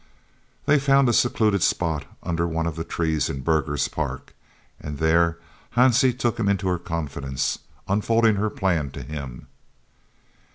They found a secluded spot under one of the trees in Burgher's Park, and there Hansie took him into her confidence, unfolding her plan to him.